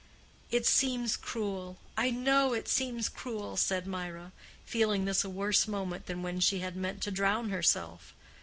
"It seems cruel—I know it seems cruel," said Mirah, feeling this a worse moment than when she meant to drown herself.